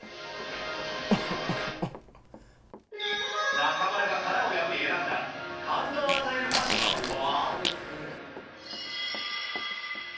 中丸が殻を破り、選んだ感動を与えるファッションとは。